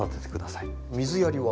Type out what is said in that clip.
水やりは？